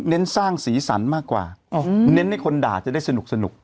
เน้นสร้างศรีสรรค์มากกว่าอ๋อเน้นให้คนด่าจะได้สนุกสนุก